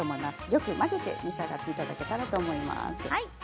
よく混ぜて召し上がっていただけたらと思います。